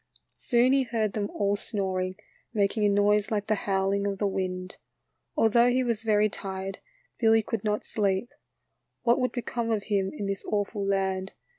Soon he heard them all 72 THE LITTLE FORESTERS. snoring, making a noise like the howling of the wind. Although he was very tired, Billy could not sleep. What would become of him in this awful land?